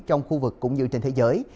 trong khu vực cũng như trên thế giới